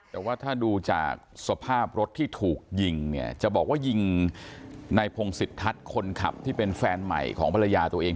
แต่ว่าถ้าดูจากสภาพรถที่ถูกยิงเนี่ยจะบอกว่ายิงในพงศิษทัศน์คนขับที่เป็นแฟนใหม่ของภรรยาตัวเอง